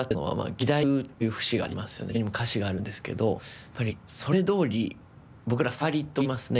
義太夫にも歌詞があるんですけどやっぱりそれどおり僕らサワリと言いますね